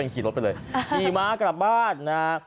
ขี่ม้ากลับบ้านนะฮะ